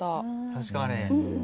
確かに。